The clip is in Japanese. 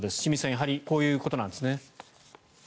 やはりこういうことなんですね。